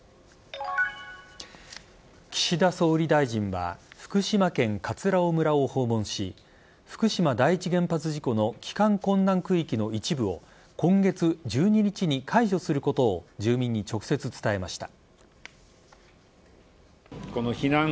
岸田総理大臣は福島県葛尾村を訪問し福島第一原発事故の帰還困難区域の一部を今月１２日に解除することを住民に直接伝えました。